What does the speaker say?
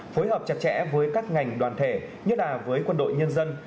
phối hợp chặt chẽ với các ngành đoàn thể như đà với quân đội nhân dân